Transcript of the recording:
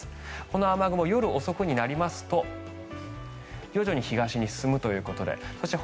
この雨雲、夜遅くになりますと徐々に東に進むということでそして